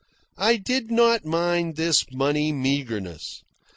I did not mind this money meagreness.